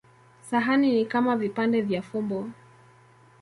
Sahani ni kama vipande vya fumbo.